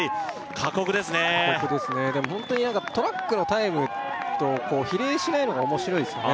過酷ですねでもホントに何かトラックのタイムと比例しないのが面白いですよね